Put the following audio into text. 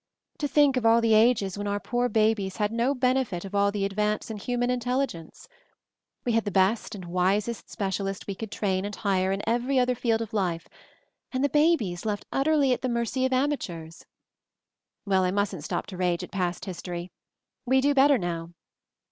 To think of all the ages when our poor babies had no benefit at all of the advance in human intelligence ! "We had the best and wisest specialists we could train and hire in every other field of life — and the babies left utterly at the mercy of amateurs! "Well, I mustn't stop to rage at past his tory. We do better now.